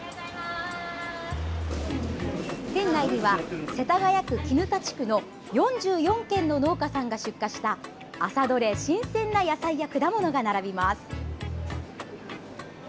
店内には、世田谷区砧地区の４４軒の農家さんが出荷した朝どれ新鮮な野菜や果物が並びます。